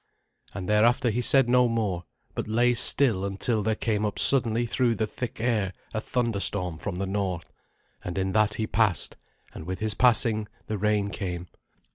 And thereafter he said no more, but lay still until there came up suddenly through the thick air a thunderstorm from the north; and in that he passed, and with his passing the rain came.